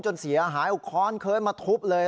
จนเสียหายเอาค้อนเคยมาทุบเลย